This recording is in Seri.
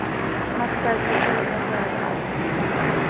¡Mata quih he sacaaixaj!